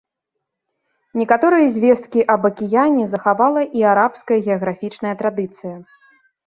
Некаторыя звесткі аб акіяне захавала і арабская геаграфічная традыцыя.